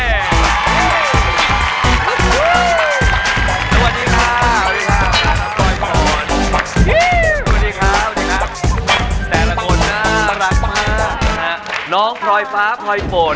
สวัสดีค่ะสวัสดีค่ะพรอยฝน